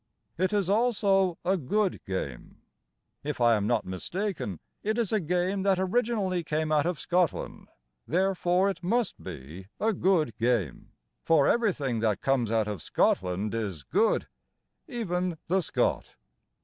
It is also a good game. If I am not mistaken, It is a game that originally came out of Scotland; Therefore it must be a good game. For everything that comes out of Scotland is good, Even the Scot.